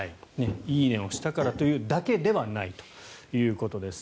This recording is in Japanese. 「いいね」を押したからというだけではないということです。